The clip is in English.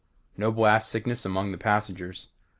No blast sickness among the passengers.